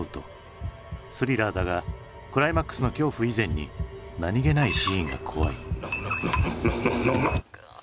スリラーだがクライマックスの恐怖以前に何気ないシーンが怖い。